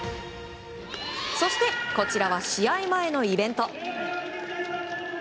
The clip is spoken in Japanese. そして、こちらは試合前のイベント。